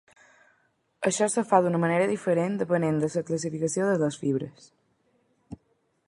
Això es fa d'una manera diferent depenent de la classificació de les fibres.